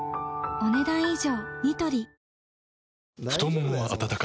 お、ねだん以上。